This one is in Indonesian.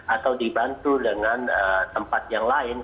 atau dibantu dengan tempat yang lain